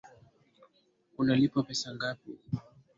Unalipwa pesa ngapi?